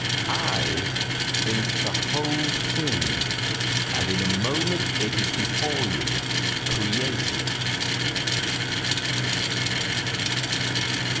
I think the whole thing, and in a moment it is before you created.